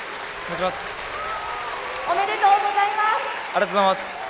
ありがとうございます。